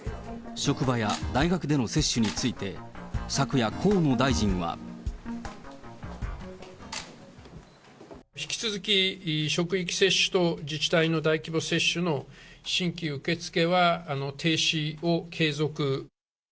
職場や大学での接種について昨夜、河野大臣は。引き続き、職域接種と自治体の大規模接種の新規受け付けは停止を継続。